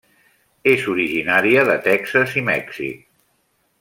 És originària de Texas i Mèxic.